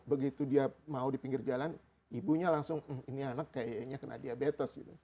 begitu dia mau di pinggir jalan ibunya langsung ini anak kayaknya kena diabetes gitu